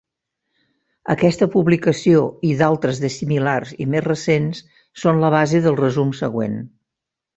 Aquesta publicació i d'altres de similars i més recents són la base del resum següent.